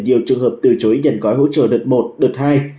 nhiều trường hợp từ chối nhận gói hỗ trợ đợt một đợt hai